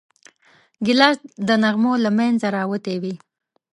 ګیلاس د نغمو له منځه راوتی وي.